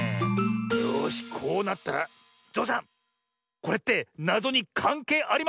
よしこうなったらゾウさんこれってなぞにかんけいありますよね？